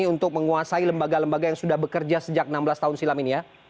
untuk menguasai lembaga lembaga yang sudah bekerja sejak enam belas tahun silam ini ya